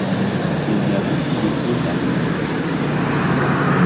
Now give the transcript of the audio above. Il y a beaucoup de côtes à monter.